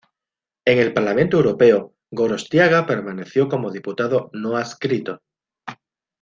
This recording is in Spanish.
En el Parlamento Europeo, Gorostiaga permaneció como diputado no adscrito.